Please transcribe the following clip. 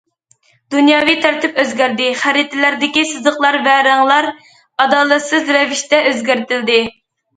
دۇنياۋى تەرتىپ ئۆزگەردى، خەرىتىلەردىكى سىزىقلار ۋە رەڭلەر ئادالەتسىز رەۋىشتە ئۆزگەرتىلدى.